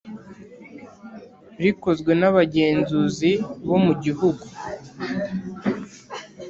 rikozwe nabagenzuzi bo mu gihugu